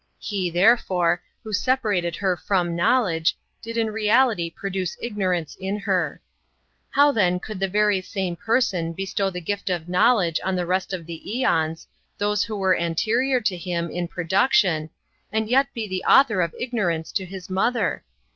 He, therefore, who separated her from knowledge, did in reality produce ignorance in her. How^ then could the very same person bestow the gift of know ledge on the rest of the ^ons, those who were anterior to Him [in production], and yet be the author of ignorance to His Mother?